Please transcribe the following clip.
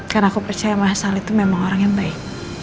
karena aku percaya sama sal itu memang orang yang baik